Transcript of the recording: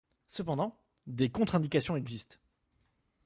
Cependant, des contre-indications existent.